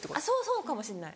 そうかもしんない。